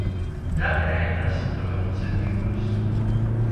Daļēji tas, protams, ir joks.